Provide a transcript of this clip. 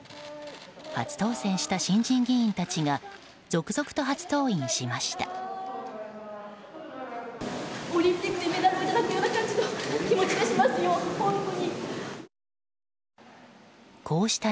初当選した新人議員たちが続々と初登院しました。